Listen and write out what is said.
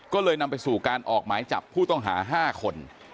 ก็เลยนำไปสู่การออกหมายจับผู้ต้องหา๕คน